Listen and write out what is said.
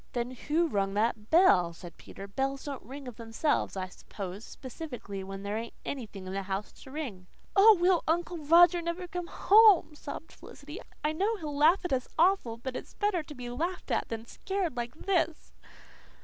"Then what rung that bell?" said Peter. "Bells don't ring of themselves, I s'pose, specially when there ain't any in the house to ring." "Oh, will Uncle Roger never come home!" sobbed Felicity. "I know he'll laugh at us awful, but it's better to be laughed at than scared like this."